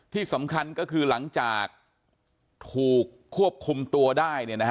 ที่สำคัญก็คือหลังจากถูกควบคุมตัวได้